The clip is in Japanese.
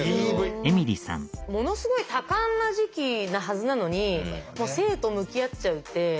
ものすごい多感な時期なはずなのにもう生と向き合っちゃうって。